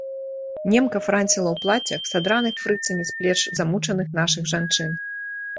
Немка франціла ў плаццях, садраных фрыцамі з плеч замучаных нашых жанчын.